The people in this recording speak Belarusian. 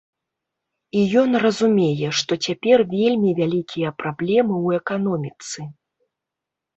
І ён разумее, што цяпер вельмі вялікія праблемы ў эканоміцы.